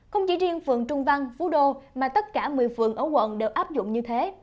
không chỉ riêng phường trung văn phú đô mà tất cả một mươi phường ở quận đều áp dụng như thế